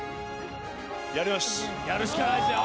やるしかないですよ。